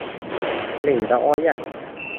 tilingda oyat